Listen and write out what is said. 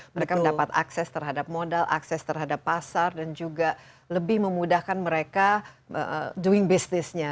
mereka mendapat akses terhadap modal akses terhadap pasar dan juga lebih memudahkan mereka doing business nya